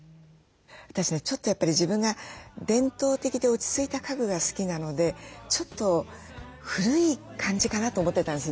私ねちょっとやっぱり自分が伝統的で落ち着いた家具が好きなのでちょっと古い感じかなと思ってたんです